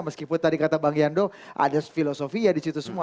meskipun tadi kata bang yando ada filosofi ya di situ semua